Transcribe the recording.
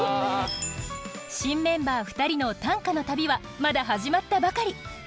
新メンバー２人の短歌の旅はまだ始まったばかり。